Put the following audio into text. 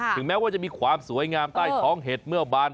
ถึงแม้จะมีความสวยงามใต้ห้องเหตุเมื่อบาน